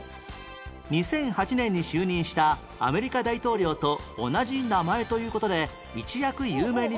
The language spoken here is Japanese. ２００８年に就任したアメリカ大統領と同じ名前という事で一躍有名になった